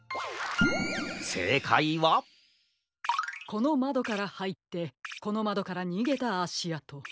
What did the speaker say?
このまどからはいってこのまどからにげたあしあと。